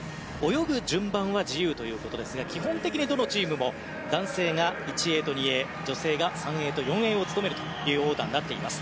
泳ぐ順番は自由ということですが基本的のどのチームも男性が１泳と２泳女性が３泳と４泳を務めるというオーダーになっています。